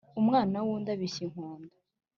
Umwana w’undi abishya inkonda